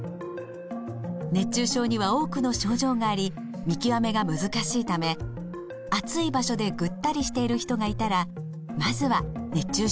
熱中症には多くの症状があり見極めが難しいため暑い場所でぐったりしている人がいたらまずは熱中症を疑いましょう。